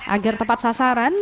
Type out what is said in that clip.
agar tepat sasaran